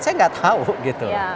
saya tidak tahu gitu